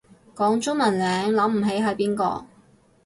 講中文名諗唔起係邊個